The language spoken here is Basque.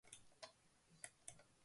Gorrotatua izateko beldurra nuen.